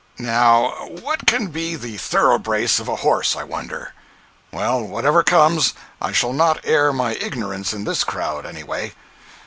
Now, what can be the thoroughbrace of a horse, I wonder? Well, whatever comes, I shall not air my ignorance in this crowd, anyway."